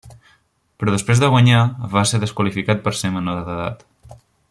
Però després de guanyar, va ser desqualificat per ser menor d’edat.